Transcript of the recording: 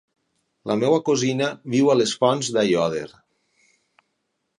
La meva cosina viu a les Fonts d'Aiòder.